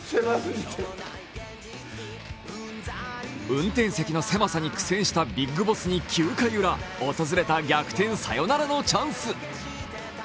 運転席の狭さに苦戦したＢＩＧＢＯＳＳに９回ウラ、訪れた逆転サヨナラのチャンス。